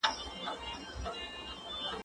زه اوږده وخت ځواب ليکم؟